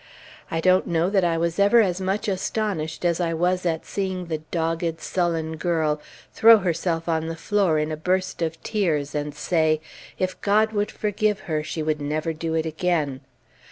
I don't know that I was ever as much astonished as I was at seeing the dogged, sullen girl throw herself on the floor in a burst of tears, and say if God would forgive her she would never do it again.